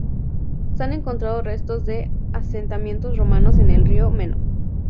Se han encontrado restos de asentamientos romanos en el río Meno.